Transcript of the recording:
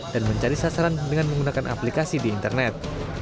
dan mencari sasaran dengan menggunakan aplikasi di internet